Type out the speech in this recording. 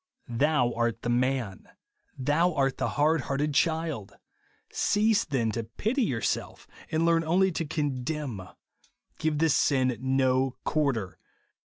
" Thou art the man." Thou art the hard hearted child 1 Cease then to vity youxself, and learn only to conderan. Give this sin no quarter.